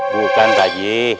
bukan pak haji